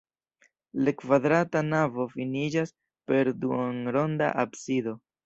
La kvadrata navo finiĝas per duonronda absido.